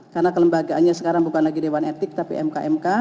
karena kelembagaannya sekarang bukan lagi dewan etik tapi mk mk